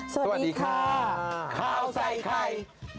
สวัสดีค่ะข้าวใส่ไข่